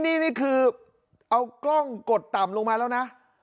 นี่คือเอากล้องกดต่ำลงมาแล้วนะ